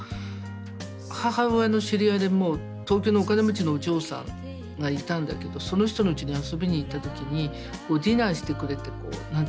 母親の知り合いでもう東京のお金持ちのお嬢さんがいたんだけどその人のうちに遊びに行った時にディナーしてくれて何て言うんですか。